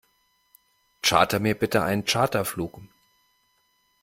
Charter mir bitte einen Charterflug.